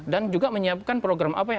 dan juga menyiapkan program apa yang